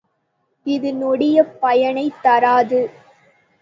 இது நெடிய பயனைத் தராது.